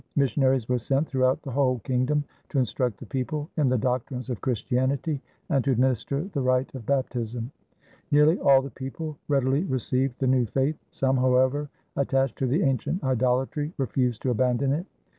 Missionaries were sent throughout the whole kingdom to instruct the people in the doctrines of Christianity, and to administer the rite of baptism. Nearly all the people readily received the new faith. Some, however, attached to the ancient idolatry, refused to abandon it.